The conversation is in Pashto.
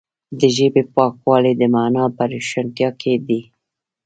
د ژبې پاکوالی د معنا په روښانتیا کې دی.